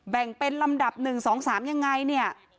แบ่งเป็นลำดับ๑๒๓ยังไงเนี่ย